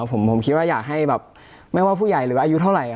ผมคิดว่าอยากให้แบบไม่ว่าผู้ใหญ่หรืออายุเท่าไหร่